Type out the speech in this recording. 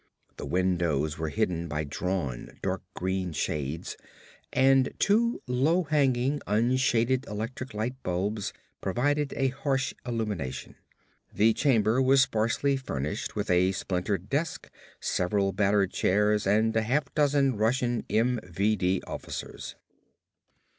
The windows were hidden by drawn, dark green shades and two low hanging, unshaded electric light bulbs provided a harsh illumination. The chamber was sparsely furnished with a splintered desk, several battered chairs and half a dozen Russian MVD officers.